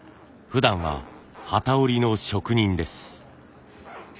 ふだんは機織りの職人です。